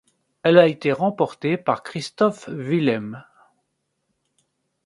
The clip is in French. Elle a été remportée par Christophe Willem.